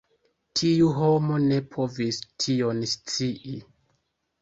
Tiu homo ne povis tion scii.